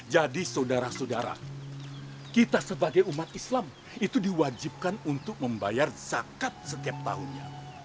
jadi saudara saudara kita sebagai umat islam itu diwajibkan untuk membayar zakat setiap tahunnya